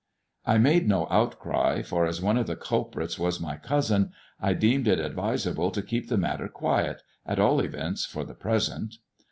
I made no outcry, for as one of the culprits was my cousin, I deemed it advisable to keep the matter quiet, at all events for the present.